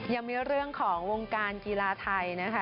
ยังมีเรื่องของวงการกีฬาไทยนะคะ